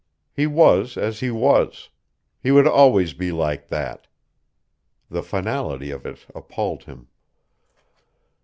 He was as he was. He would always be like that. The finality of it appalled him.